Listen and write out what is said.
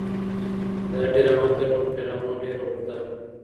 دا ډرامه تر نورو ډرامو ډېره اوږده وه.